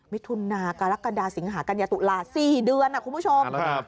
มิถุนากรกฎาสิงหากัญญาตุลา๔เดือนคุณผู้ชม